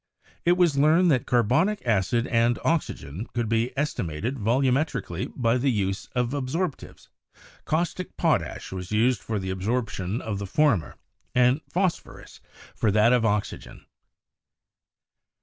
It was learned that carbonic acid and oxygen could be es timated volumetrically by the use of absorptives: caustic potash was used for the absorption of the former, and phosphorus for that of oxygen.